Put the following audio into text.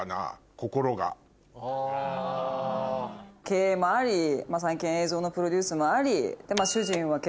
経営もあり最近は映像のプロデュースもあり主人は。